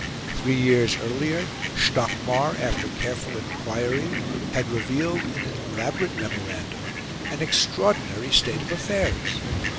Three years earlier, Stockmar, after careful enquiry, had revealed in an elaborate memorandum an extraordinary state of affairs.